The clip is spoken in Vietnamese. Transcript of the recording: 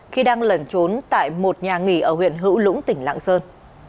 khi đang lẩn trốn tại một nhà nghỉ ở huyện hữu lũng tỉnh lạng sơn